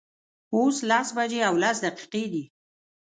اوس لس بجې او لس دقیقې دي